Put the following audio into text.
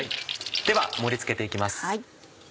では盛り付けて行きます。